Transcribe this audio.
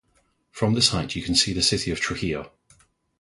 From this height you can see the city of Trujillo.